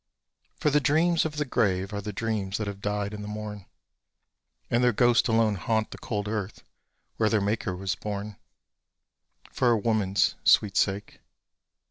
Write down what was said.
For the dreams of the grave are the dreams that have died in the morn, And their ghosts alone haunt the cold earth where their maker was born, For a woman's sweet sake.